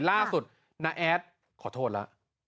ล่าสุดนาแอดขอโทษล่ะ